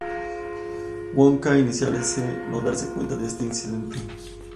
Wonka inicialmente parece no darse cuenta de este incidente.